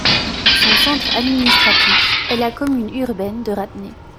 Son centre administratif est la commune urbaine de Ratné.